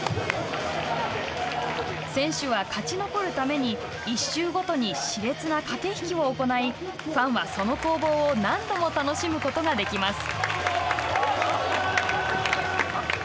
選手は勝ち残るために１周ごとにしれつな駆け引きを行いファンはその攻防を何度も楽しむことができます。